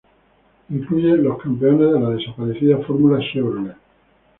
Incluye los campeones de la desaparecida Formula Chevrolet.